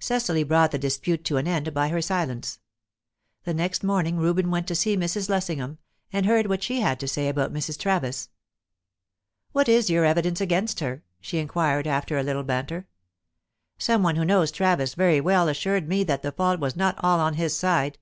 Cecily brought the dispute to an end by her silence. The next morning Reuben went to see Mrs. Lessingham, and heard what she had to say about Mrs. Travis. "What is your evidence against her?" she inquired, after a little banter. "Some one who knows Travis very well assured me that the fault was not all on his side."